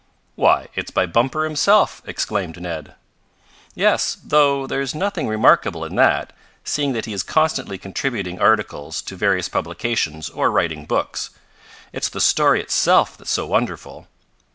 "Why, it's by Bumper himself!" exclaimed Ned. "Yes. Though there's nothing remarkable in that, seeing that he is constantly contributing articles to various publications or writing books. It's the story itself that's so wonderful.